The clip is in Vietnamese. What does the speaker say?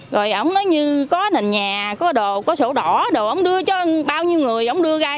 rồi ổng nói như có nền nhà có đồ có sổ đỏ đồ ổng đưa cho bao nhiêu người ổng đưa